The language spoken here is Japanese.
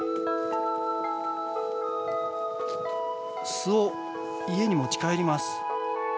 巣を家に持ち帰ります。